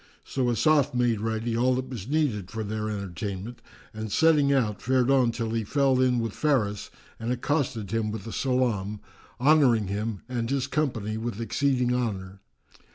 So Asaf made ready all that was needed for their entertainment and setting out, fared on till he fell in with Faris and accosted him with the salam, honouring him and his company with exceeding honour.